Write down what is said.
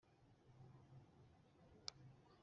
Ubu bushakashatsi bwagaragaje